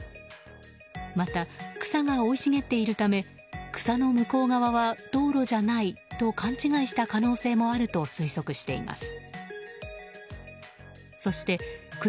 また、草が生い茂っているため草の向こう側は道路じゃないと勘違いした可能性もあると推測しています。